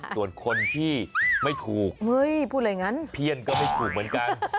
ส่วนคนที่ไม่ถูกเพี้ยนก็ไม่ถูกเหมือนกัน